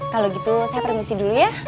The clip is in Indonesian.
kalau gitu saya permisi dulu ya